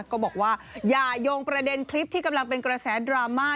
ก็บอกว่าอย่ายงประเด็นคลิปที่กำลังเป็นกระแสดราม่า